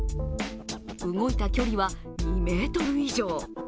動いた距離は２ｍ以上。